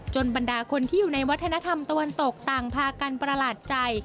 บรรดาคนที่อยู่ในวัฒนธรรมตะวันตกต่างพากันประหลาดใจ